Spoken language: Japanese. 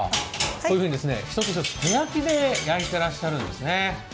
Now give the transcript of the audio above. こういうふうに、一つ一つ手焼きで焼いているんですね。